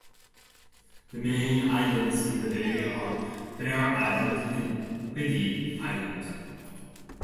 The main islands in the bay are Bere Island and Whiddy Island.